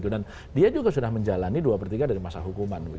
dan dia juga sudah menjalani dua per tiga dari masa hukuman